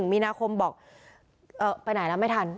มีนาคมบอกไปไหนแล้วไม่ทัน